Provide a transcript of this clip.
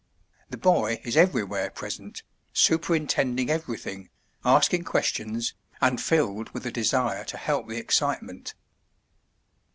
The boy is everywhere present, superintending everything, asking questions, and filled with a desire to help the excitement.